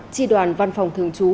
chi đoàn văn phòng thường trú